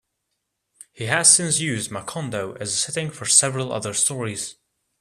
He has since used Macondo as a setting for several other stories.